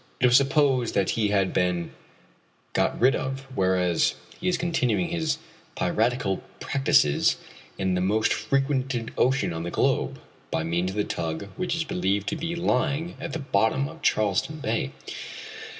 It was supposed that he had been got rid of, whereas he is continuing his piratical practices in the most frequented ocean on the globe, by means of the tug which is believed to be lying at the bottom of Charleston Bay.